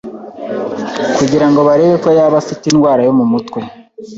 kugira ngo barebe ko yaba afite indwara yo mu mutwe.